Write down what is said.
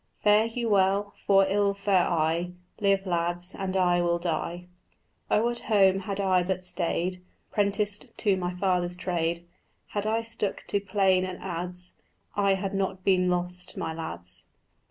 Fare you well, for ill fare I: Live, lads, and I will die." "Oh, at home had I but stayed 'Prenticed to my father's trade, Had I stuck to plane and adze, I had not been lost, my lads."